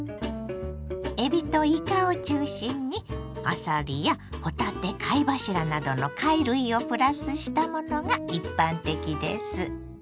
えびといかを中心にあさりやほたて貝柱などの貝類をプラスしたものが一般的です。